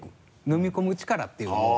飲み込む力っていうのを。